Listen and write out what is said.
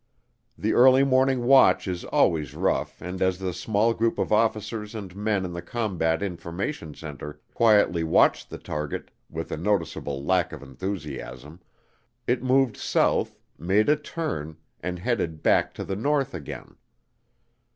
The early morning watch is always rough and as the small group of officers and men in the Combat Information Center quietly watched the target, with a noticeable lack of enthusiasm, it moved south, made a turn, and headed back to the north again.